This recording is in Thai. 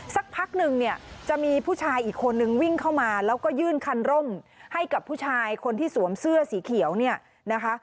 สักพักนึงเนี่ยจะมีผู้ชายอีกคนนึงวิ่งเข้ามาแล้วก็ยื่นคันร่มให้กับผู้ชายคนที่สวมเสื้อสีเขียวเนี่ยนะคะ